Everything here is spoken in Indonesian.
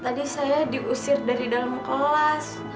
tadi saya diusir dari dalam kelas